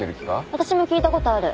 私も聞いたことある。